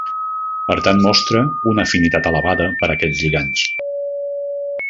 Per tant, mostra una afinitat elevada per a aquests lligands.